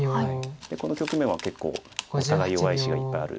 この局面は結構お互い弱い石がいっぱいある。